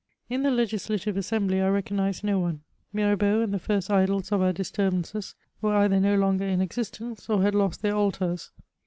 In the Legislative Assembly I recognised no one; Mirabeau and the first idols of our diaturbances were either no longer in existence, or had lost their altars.